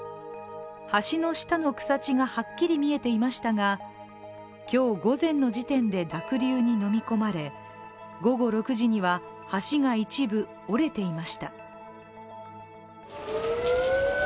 橋の下の草地がはっきり見えていましたが今日午前の時点で濁流にのみ込まれ午後６時には橋が一部、折れていました。